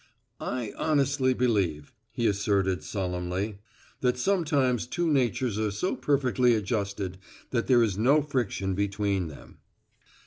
"I honestly believe," he asserted solemnly, "that sometimes two natures are so perfectly adjusted that there is no friction between them."